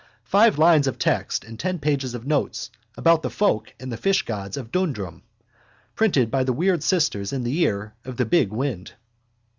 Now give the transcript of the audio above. Five lines of text and ten pages of notes about the folk and the fishgods of Dundrum. Printed by the weird sisters in the year of the big wind.